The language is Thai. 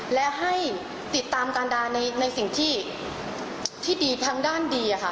และให้ติดตามการดาในสิ่งที่ดีทางด้านดีค่ะ